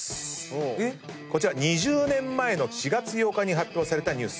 こちら２０年前の４月８日に発表されたニュース。